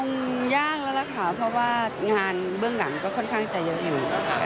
คงยากแล้วนะคะเพราะว่างานเบื้องหลังก็ค่อนข้างจะเยอะแห่ง